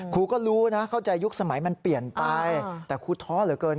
ครูก็รู้นะเข้าใจยุคสมัยมันเปลี่ยนไปแต่ครูท้อเหลือเกิน